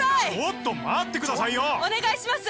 ・お願いします